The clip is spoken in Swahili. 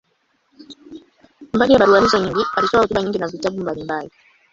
Mbali ya barua hizo nyingi, alitoa hotuba nyingi na vitabu mbalimbali.